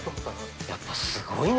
◆やっぱすごいね。